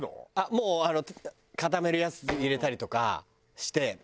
もうあの固めるやつ入れたりとかして。